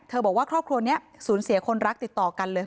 บอกว่าครอบครัวนี้สูญเสียคนรักติดต่อกันเลย